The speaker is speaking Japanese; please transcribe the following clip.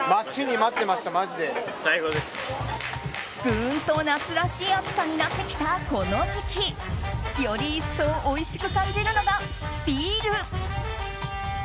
グーンと夏らしい暑さになってきたこの時期より一層、おいしく感じるのがビール。